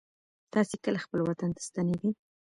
تاسې کله خپل وطن ته ستنېږئ؟